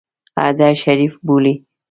هډه شریف بولي.